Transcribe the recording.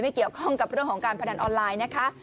เกี่ยวข้องกับเรื่องของการพนันออนไลน์นะคะ